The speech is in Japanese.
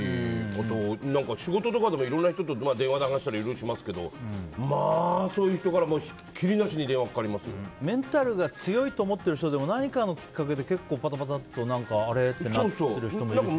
あと、仕事とかでもいろんな人と電話で話したりしますけどまあ、そういう人からひっきりなしにメンタルが強いと思ってる人でも何かのきっかけで結構ぱたぱたとあれ？ってなってる人もいるし。